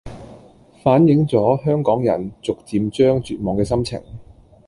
反映咗香港人逐漸將絕望嘅心情